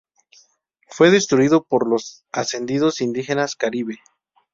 Fue destruido por los asediados indígenas Caribe.